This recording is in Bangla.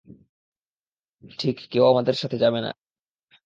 ঠিক, কেউ আমাদের সাথে যাবে না।